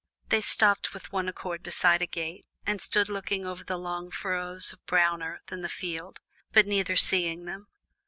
They stopped with one accord beside a gate, and stood looking over the long furrows of brown earth in the field, but neither seeing them.